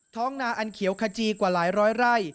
นาอันเขียวขจีกว่าหลายร้อยไร่